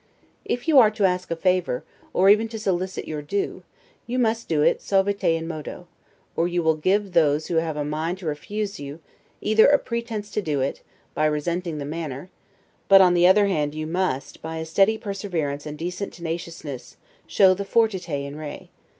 If you are to ask a favor, or even to solicit your due, you must do it 'suaviter in modo', or you will give those who have a mind to refuse you, either a pretense to do it, by resenting the manner; but, on the other hand, you must, by a steady perseverance and decent tenaciousness, show the 'fortiter in re'.